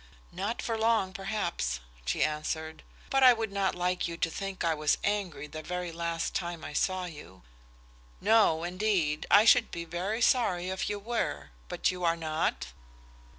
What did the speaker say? "Not for long, perhaps," she answered; "but I would not like you to think I was angry the very last time I saw you." "No, indeed. I should be very sorry if you were. But you are not?"